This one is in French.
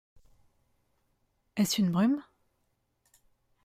Est-ce une brume ?…